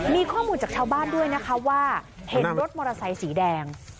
มีข้อมูลจากชาวบ้านด้วยนะคะว่าเห็นรถมอเตอร์ไซสีแดง